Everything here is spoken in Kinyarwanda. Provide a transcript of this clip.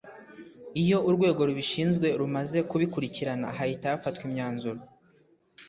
Iyo urwego rubishinzwe rumaze kubikurikirana hahita hafatwa imyanzuro